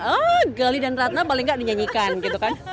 oh gali dan ratna paling gak dinyanyikan gitu kan